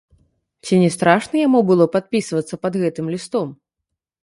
Ці не страшна яму было падпісвацца пад гэтым лістом?